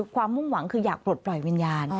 มุ่งหวังคืออยากปลดปล่อยวิญญาณ